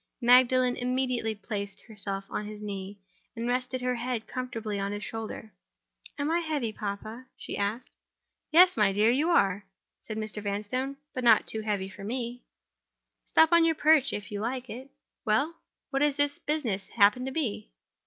Magdalen immediately placed herself on his knee, and rested her head comfortably on his shoulder. "Am I heavy, papa?" she asked. "Yes, my dear, you are," said Mr. Vanstone—"but not too heavy for me. Stop on your perch, if you like it. Well? And what may this business happen to be?"